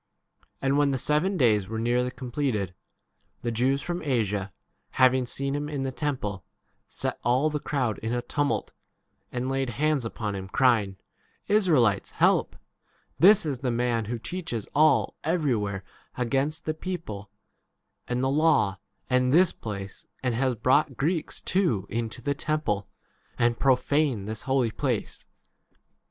And when the seven days were nearly completed, the Jews from Asia, having seen him in the temple, set all the crowd in a tumult, and laid hands upon 28 him, crying,P Israelites, help ! this is the man who teaches all every where against the people, and the law, and this place, and has brought Greeks too into the temple, and 29 profaned this holy place. For » T. E.